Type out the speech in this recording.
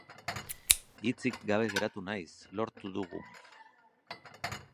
Hitzik gabe geratu naiz, lortu dugu!